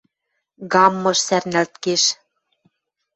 Гаммыш сӓрнӓлт кеш.